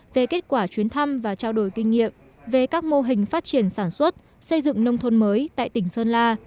về kết quả chuyến thăm và trao đổi kinh nghiệm về các mô hình phát triển sản xuất xây dựng nông thôn mới tại tỉnh sơn la